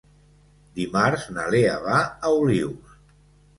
Dimarts na Lea va a Olius.